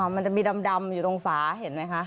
มันจะมีดำอยู่ตรงฝาเห็นไหมคะ